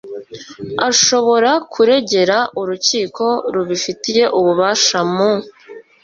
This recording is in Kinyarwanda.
ashobora kuregera urukiko rubifitiye ububasha mu